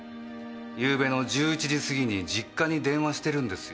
昨夜の１１時過ぎに実家に電話してるんですよ。